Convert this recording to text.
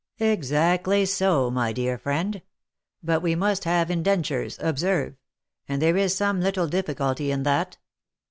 " Exactly so, my dear friend. But we must have indentures, observe ; and there is some little difficulty in that."